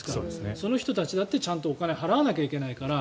その人たちだってちゃんとお金を払わないといけないから。